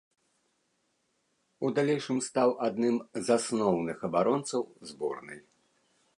У далейшым стаў адным з асноўных абаронцаў зборнай.